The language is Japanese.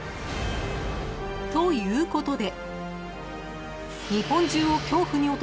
［ということで］